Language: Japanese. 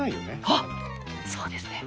あっそうですね！